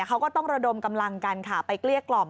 เขาก็ต้องระดมกำลังกันค่ะไปเกลี้ยกล่อม